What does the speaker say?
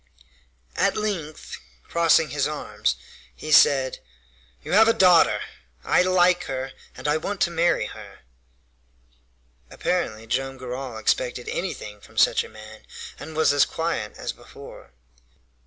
At length, crossing his arms, he said: "You have a daughter! I like her and I want to marry her!" Apparently Joam Garral expected anything from such a man, and was as quiet as before.